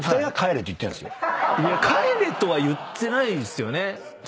「帰れ」とは言ってないっすよね。